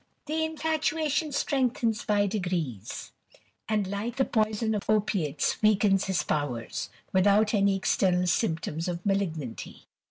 f23 The infatuation strengthens by degrees, and, h'ke the poison of opiates, weakens his poweis, without any external symptom of malignity.